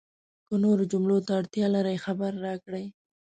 که نورو جملو ته اړتیا لرئ، خبر راکړئ!